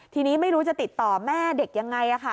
ทีนี้ไม่รู้จะติดต่อแม่เด็กยังไง